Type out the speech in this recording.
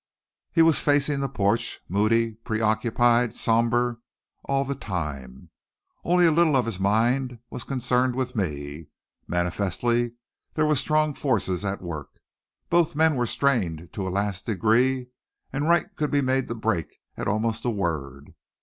He was facing the porch, moody, preoccupied, somber, all the time. Only a little of his mind was concerned with me. Manifestly there were strong forces at work. Both men were strained to a last degree, and Wright could be made to break at almost a word.